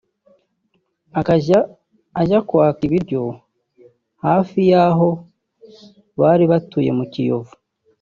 akajya ajya kwaka ibiryo hafi y’aho bari batuye mu Kiyovu